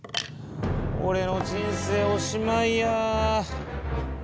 おれの人生おしまいや！